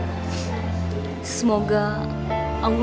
om terima kasih